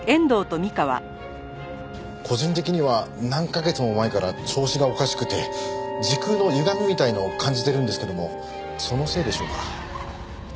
個人的には何カ月も前から調子がおかしくて時空のゆがみみたいなのを感じてるんですけどもそのせいでしょうか？